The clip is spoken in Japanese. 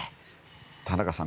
田中さん